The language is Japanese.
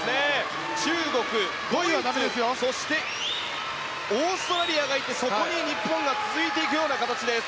中国、ドイツそして、オーストラリアがいてそこに日本が続く形です。